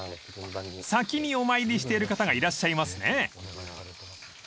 ［先にお参りしている方がいらっしゃいますね］